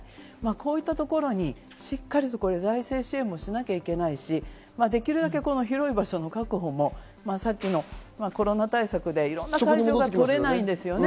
こういうところにしっかりと財政支援もしなきゃいけないし、できるだけ広い場所の確保も先のコロナ対策でいろんな会場が取れないんですね。